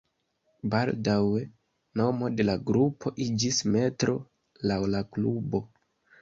Baldaŭe nomo de la grupo iĝis Metro laŭ la klubo.